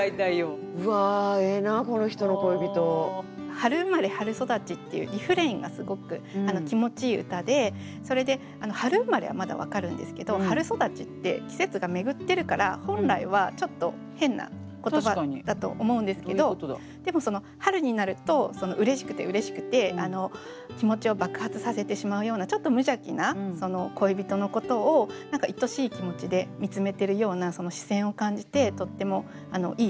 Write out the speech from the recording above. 「春生まれ春育ち」っていうリフレインがすごく気持ちいい歌でそれで「春生まれ」はまだ分かるんですけど「春育ち」って季節が巡ってるから本来はちょっと変な言葉だと思うんですけどでもその春になるとうれしくてうれしくて気持ちを爆発させてしまうようなちょっと無邪気な恋人のことをいとしい気持ちで見つめてるような視線を感じてとってもいい歌。